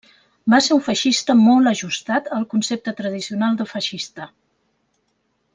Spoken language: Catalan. Va ser un feixista molt ajustat al concepte tradicional de feixista.